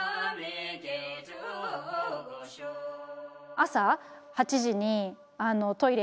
朝８時にあのトイレ。